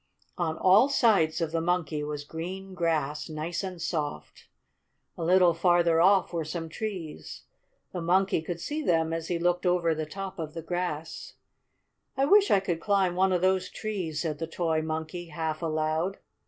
On all sides of the Monkey was green grass, nice and soft. A little farther off were some trees. The Monkey could see them as he looked over the top of the grass. "I wish I could climb one of those trees," said the toy Monkey half aloud.